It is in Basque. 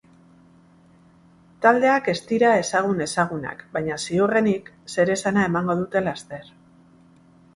Taldeak ez dira ezagun-ezagunak, baina, ziurrenik, zeresana emango dute laster.